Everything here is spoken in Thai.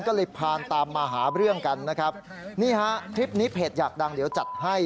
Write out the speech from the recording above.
ก็เลยพานตามมาหาเรื่องกันนะครับนี่ฮะคลิปนี้เพจอยากดังเดี๋ยวจัดให้